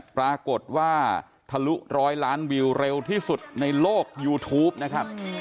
ปรากฏว่าทะลุร้อยล้านวิวเร็วที่สุดในโลกยูทูปนะครับ